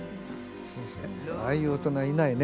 ああいう大人いないね